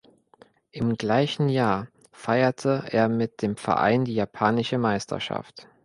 Im gleichen Jahr feierte er mit dem Verein die japanische Meisterschaft.